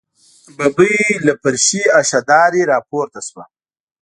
ببۍ له فرشي اشدارې راپورته شوه.